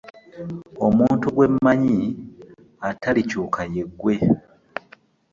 Omuntu gwe mmanyi atalikyuka ye ggwe.